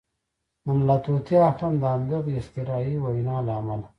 د ملا طوطي اخند د همدغې اختراعي وینا له امله.